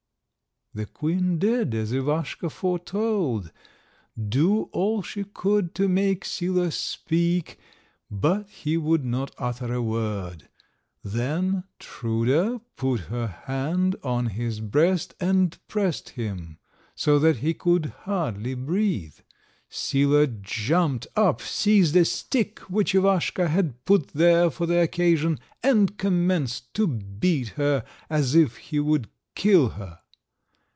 The queen did, as Ivaschka foretold, do all she could to make Sila speak, but he would not utter a word. Then Truda put her hand on his breast, and pressed him, so that he could hardly breathe. Sila jumped up, seized a stick, which Ivaschka had put there for the occasion, and commenced to beat her as if he would kill her.